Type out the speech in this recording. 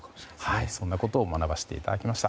そんなことを学ばせていただきました。